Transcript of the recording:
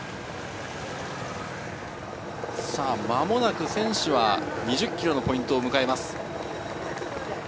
間もなく選手は２０ｋｍのポイントです。